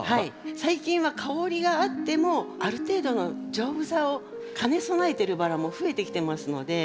最近は香りがあってもある程度の丈夫さを兼ね備えてるバラも増えてきてますので。